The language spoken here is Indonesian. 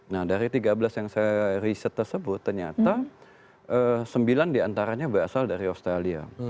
nah dari tiga belas yang saya riset tersebut ternyata sembilan diantaranya berasal dari australia